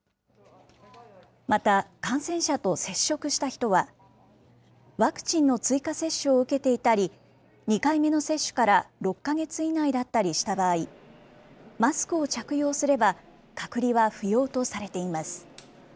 また、感染者と接触した人は、ワクチンの追加接種を受けていたり、２回目の接種から６か月以内だったりした場合、マスクを着用すれば、隔離は不要とされています。